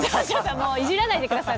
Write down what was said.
もういじらないでください。